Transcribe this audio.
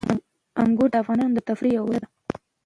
انګور د افغانانو د تفریح یوه وسیله ده.